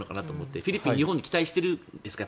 フィリピンは今でも日本に期待しているんですか？